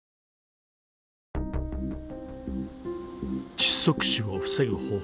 窒息死を防ぐ方法